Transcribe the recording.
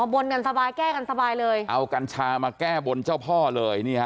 บนกันสบายแก้กันสบายเลยเอากัญชามาแก้บนเจ้าพ่อเลยนี่ฮะ